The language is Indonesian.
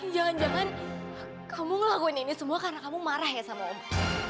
jangan jangan kamu ngelakuin ini semua karena kamu marah ya sama om